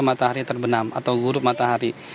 matahari terbenam atau buruk matahari